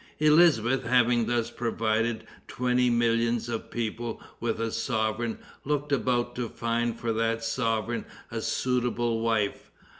Elizabeth having thus provided twenty millions of people with a sovereign, looked about to find for that sovereign a suitable wife.